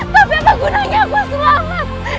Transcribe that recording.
tapi apa gunanya apa selamat